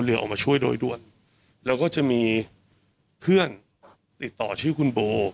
ออกมาช่วยโดยด่วนแล้วก็จะมีเพื่อนติดต่อชื่อคุณโบ